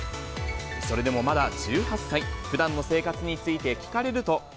それでもまだ１８歳、ふだんの生活について聞かれると。